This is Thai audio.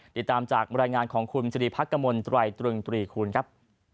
ติดตามจากรายงานของคุณเจรียร์พักกมลตรวัยตรวงตรีคูณครับ